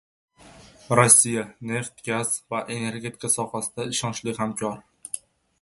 Rossiya – neft-gaz va energetika sohasida ishonchli hamkor